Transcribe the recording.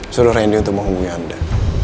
seluruh randy untuk menghubungi anda